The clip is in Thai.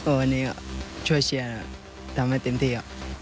วันนี้ก็ช่วยเชียร์ทำให้เต็มที่